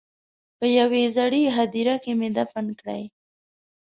په یوې زړې هدیرې کې مې دفن کړې.